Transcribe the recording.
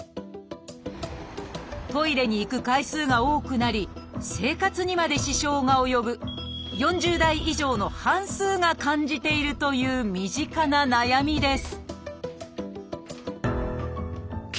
トイレに行く回数が多くなり生活にまで支障が及ぶ４０代以上の半数が感じているという身近な悩みです